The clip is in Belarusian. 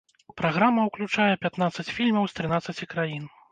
Праграма ўключае пятнаццаць фільмаў з трынаццаці краін.